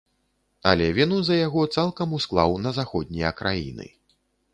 Але віну за яго цалкам усклаў на заходнія краіны.